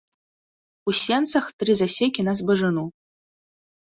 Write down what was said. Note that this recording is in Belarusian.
У сенцах тры засекі на збажыну.